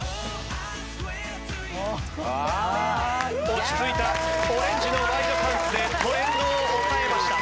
落ち着いたオレンジのワイドパンツでトレンドを押さえました。